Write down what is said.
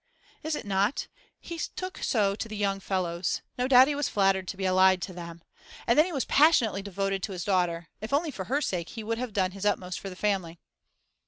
'Is it not? He took so to the young fellows; no doubt he was flattered to be allied to them. And then he was passionately devoted to his daughter; if only for her sake, he would have done his utmost for the family.